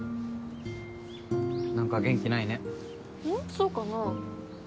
そうかな？